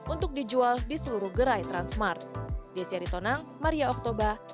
untuk dijual di seluruh gerai transmart